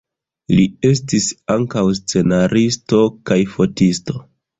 Li estis ankaŭ scenaristo kaj fotisto.